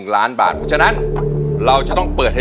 ยังไม่มีให้รักยังไม่มี